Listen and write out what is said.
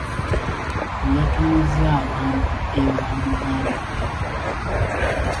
Yatumizza abantu ewa muganda we.